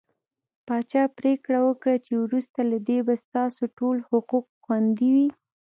پاچا پرېکړه وکړه چې وروسته له دې به ستاسو ټول حقوق خوندي وي .